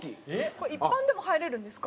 これ一般でも入れるんですか？